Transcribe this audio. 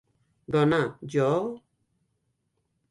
Dona, jo...